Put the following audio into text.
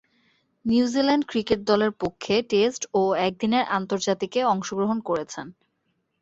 New Zealand cricket দলের পক্ষে test ও একদিনের আন্তর্জাতিকে অংশগ্রহণ করেছেন।